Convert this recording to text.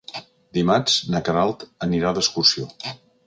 Dimarts na Queralt anirà d'excursió.